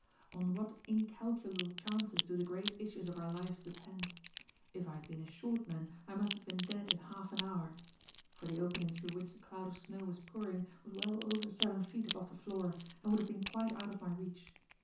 On what incalculable chances do the great issues of our lives depend! If I had been a short man I must have been dead in half an hour; for the opening through which the cloud of snow was pouring was well over seven feet above the floor and would have been quite out of my reach.